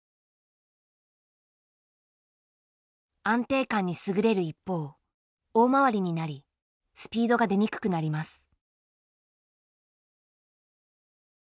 安定感に優れる一方大回りになりスピードが出にくくなります。